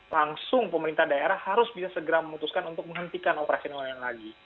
langsung pemerintah daerah harus bisa segera memutuskan untuk menghentikan operasional yang lagi